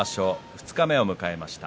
二日目を迎えました。